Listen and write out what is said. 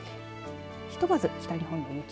ひとまず北日本の雪